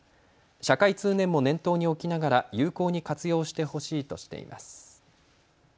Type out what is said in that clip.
社会通念も念頭に置きながら有効に活用してほしいとしています。